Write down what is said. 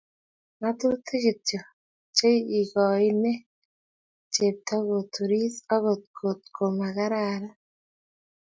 ngatutuk kityo? che ikoene chepto koturis okot to mo makararan?